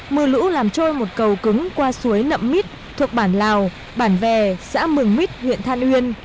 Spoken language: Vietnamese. mưa lũ làm trôi một cầu cứng qua suối nậm mít thuộc bản lào bản vè xã mừng mít huyện than uyên